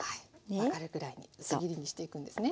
分かるぐらいに薄切りにしていくんですね。